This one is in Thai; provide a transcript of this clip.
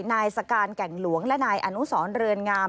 นายสการแก่งหลวงและนายอนุสรเรือนงาม